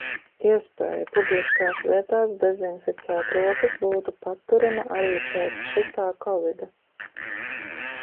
Iespēja publiskās vietās dezinficēt rokas būtu paturama arī pēc šitā kovida.